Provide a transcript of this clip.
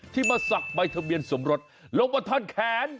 มาสักใบทะเบียนสมรสลงมาท่อนแขน